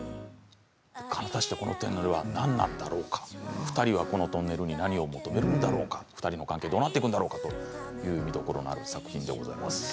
果たしてこのトンネルは何なんだろうか２人はこのトンネルに何を求めるんだろうか、２人の関係はどうなっていくんだろうかというところなんですが。